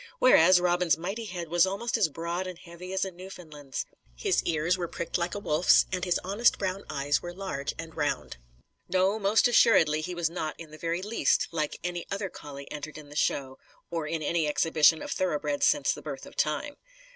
Whereas, Robin's mighty head was almost as broad and heavy as a Newfoundland's; his ears were pricked like a wolf's, and his honest brown eyes were large and round. No, most assuredly he was not in the very least like any other collie entered in the show or in any exhibition of thoroughbreds since the birth of time.